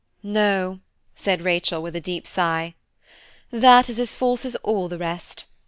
"No," said Rachel with a deep sigh, "that is as false as all the rest.